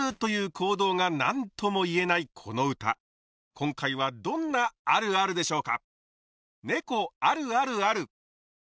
今回はどんなあるあるでしょうか？